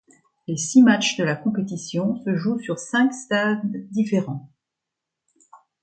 Les six matchs de la compétition, se jouent sur cinq stades différents.